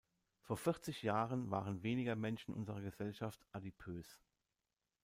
Vor vierzig Jahren waren weniger Menschen unserer Gesellschaft adipös.